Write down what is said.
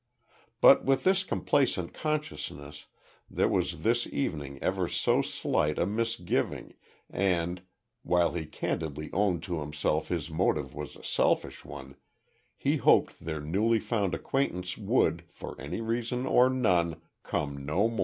But with this complacent consciousness, there was this evening ever so slight a misgiving, and while he candidly owned to himself his motive was a selfish one he hoped their newly found acquaintance would, for any reason or none, come no more.